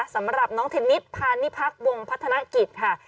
สำหรับน้องเทนนิสพาณิพักษ์วงพัฒนกิจค่ะ